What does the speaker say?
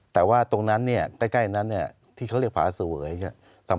แต่ว่าตรงนั้นเนี่ยใกล้นั้นเนี่ยที่เขาเรียกผาเสวยเนี่ย